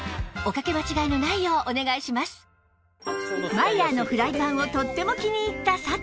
マイヤーのフライパンをとっても気に入った佐藤さん